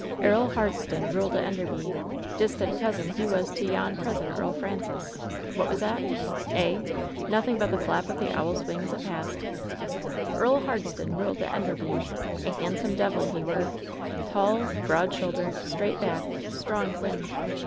Earl Hardston ruled at Enderby. Distant cousin he 876 LOVE'S BITTEREST CUP was to yon present Earl Francis What was that t Eh I nothing but the flap of the owFs wing as it passed. "Earl Hardston ruled at Enderby. A handsome devil he were. Tall, broad shouldered, straight backed, strong limbed.